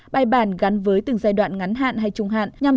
bài bản gắn với từng giai đoạn ngắn hạn hay trung hạn